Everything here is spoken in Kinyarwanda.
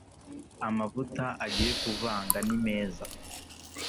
amavuta agiye kuvanga nimeza